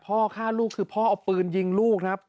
พ่อฆ่าลูกคือพ่อเอาปืนยิงลูกครับ